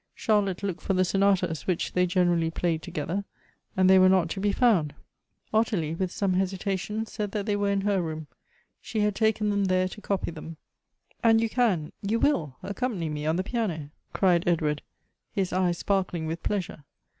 Charlotte looked for the sonatas which they generally played together, and they were not to be found. Ottilie, with some hesitation, said that they were in her room — slui had taken them there to copy thera. " And you can, you will, accompany me on the piano ?" Elective Affinities. 71 cried Edward, his eyes sparkling with pleasure.